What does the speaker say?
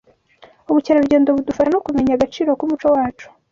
Ubukerarugendo budufasha no kumenya agaciro k’umuco wacu